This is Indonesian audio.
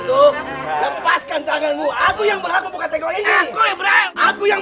butuh lepaskan tanganmu aku yang berharga bukan tengok ini aku yang berharga aku yang